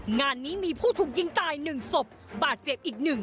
งานนี้มีผู้ถูกยิงตาย๑ศพบาดเจ็บอีกหนึ่ง